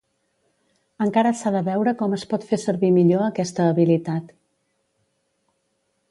Encara s'ha de veure com es pot fer servir millor aquesta habilitat.